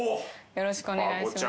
よろしくお願いします。